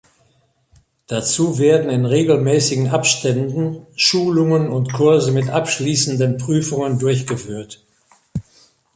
Dazu werden in regelmäßigen Abständen Schulungen und Kurse mit abschließenden Prüfungen durchgeführt.